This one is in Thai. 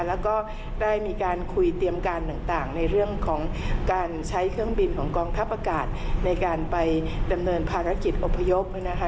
แล้วก็ได้มีการคุยเตรียมการต่างในเรื่องของการใช้เครื่องบินของกองทัพอากาศในการไปดำเนินภารกิจอพยพนะคะ